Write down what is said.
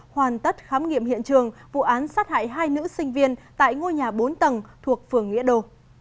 hoàn tất khám nghiệm hiện trường vụ án sát hại hai nữ sinh viên tại ngôi nhà bốn tầng thuộc phường nghĩa đô